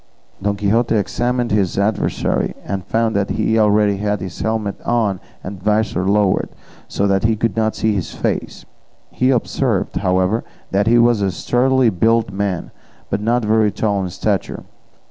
Don Quixote examined his adversary, and found that he already had his helmet on and visor lowered, so that he could not see his face; he observed, however, that he was a sturdily built man, but not very tall in stature.